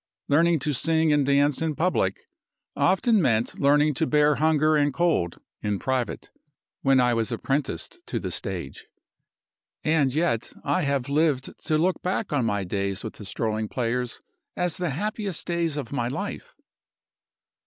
Learning to sing and dance in public often meant learning to bear hunger and cold in private, when I was apprenticed to the stage. And yet I have lived to look back on my days with the strolling players as the happiest days of my life!